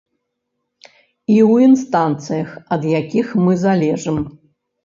І ў інстанцыях, ад якіх мы залежым.